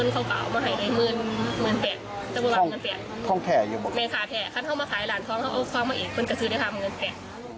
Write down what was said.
เขาเข้ามาขายหลานคล้องมาเอียดคุณก็ซื้อได้ค่ะมันเงินแถ่